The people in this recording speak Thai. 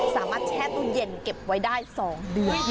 แช่ตู้เย็นเก็บไว้ได้๒เดือน